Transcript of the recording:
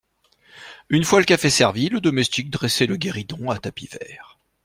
Une fois le café servi, le domestique dressait le guéridon à tapis vert.